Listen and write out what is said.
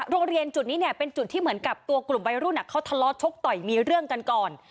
โรงเรียนจุดนี้เนี่ยเป็นจุดที่เหมือนกับตัวกลุ่มวัยรุ่นเขาทะเลาะชกต่อยมีเรื่องกันก่อน